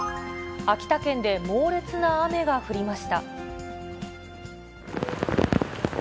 秋田県で猛烈な雨が降りました。